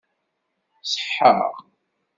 Ṣeḥḥaɣ.